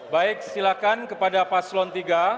baik silakan kepada paslon tiga